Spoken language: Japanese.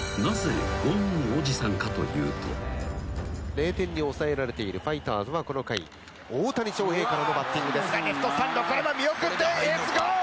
「０点に抑えられているファイターズはこの回」「大谷翔平からのバッティングですがレフトスタンドこれは見送って」